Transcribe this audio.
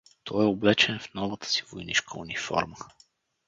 Той е облечен в новата си войнишка униформа.